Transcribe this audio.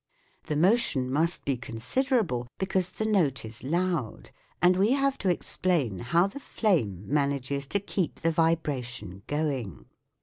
The motion must be consider able, because the note is loud, and we have to explain how the flame manages to keep the vibration going.